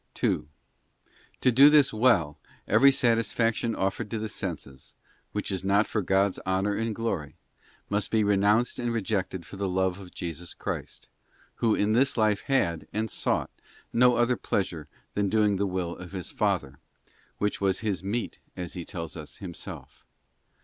2. To do this well, every satisfaction offered to the senses, which is not for God's honour and glory, must be renounced and rejected for the love of Jesus Christ, who in this life had, and sought, no other pleasure than doing the will of His Father, which was His meat,* as He tells us Himself.